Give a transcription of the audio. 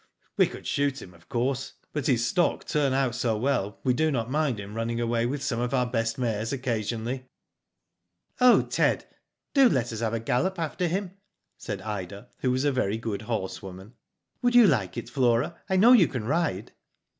We could shoot him, of course, but his stock turn out so well we do not mind him run ning away with some of our best mares occasion ally/' *'0h, Ted, do let us have a gallop after, him," said Ida, who was a very good horsewoman. ''Would you Hke it, Flora? I know you can ride."